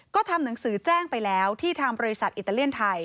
ก็ทำหนังสือแจ้งไปแล้วที่ทางบริษัทอิตาเลียนไทย